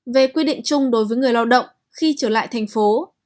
về quy định chung đối với người lao động khi trở lại thành phố